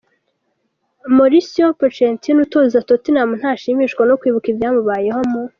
Mauricio Pochettino utoza Tottenham ntashimishwa no kwibuka ibyamubayeho mu.